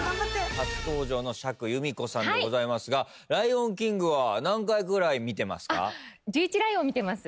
初登場の釈由美子さんでございますが『ライオンキング』は何回くらい見てますか？